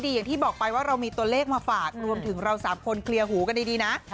อย่างที่บอกไปว่าเรามีตัวเลขมาฝากรวมถึงเรา๓คนเคลียร์หูกันดีนะ